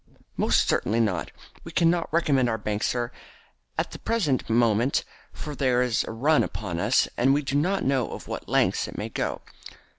"Most certainly not. We cannot recommend our bank, sir, at the present moment, for there is a run upon us, and we do not know to what lengths it may go."